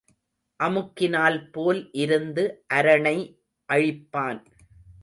அமுக்கினால் போல் இருந்து அரணை அழிப்பான்.